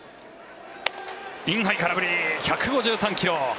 インハイ、空振り１５３ｋｍ。